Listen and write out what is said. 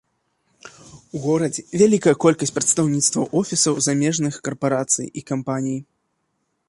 У горадзе вялікая колькасць прадстаўніцтваў офісаў замежных карпарацый і кампаній.